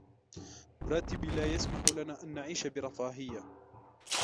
راتبي لا يسمح لنا أن نعيش برفاهية.